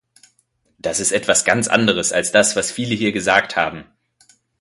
Das ist etwas ganz anderes als das, was viele hier gesagt haben.